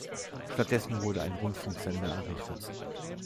Stattdessen wurde ein Rundfunksender errichtet.